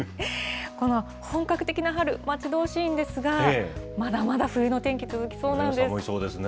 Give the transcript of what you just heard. この本格的な春、待ち遠しいんですが、まだまだ冬の天気、続きそうなんです。